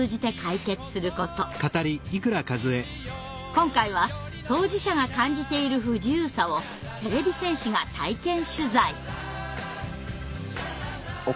今回は当事者が感じている不自由さをてれび戦士が体験取材！